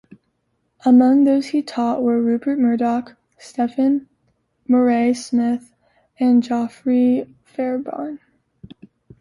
Among those he taught were Rupert Murdoch, Stephen Murray-Smith and Geoffrey Fairbairn.